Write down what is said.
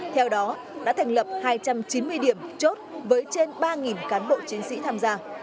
theo đó đã thành lập hai trăm chín mươi điểm chốt với trên ba cán bộ chiến sĩ tham gia